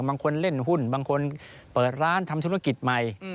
บางคนเล่นหุ้นบางคนเปิดร้านทำธุรกิจใหม่